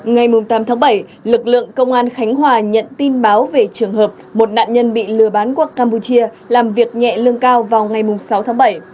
ngày tám tháng bảy lực lượng công an khánh hòa nhận tin báo về trường hợp một nạn nhân bị lừa bán qua campuchia làm việc nhẹ lương cao vào ngày sáu tháng bảy